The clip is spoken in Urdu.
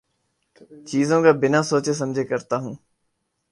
چیزوں کا بنا سوچے سمجھے کرتا ہوں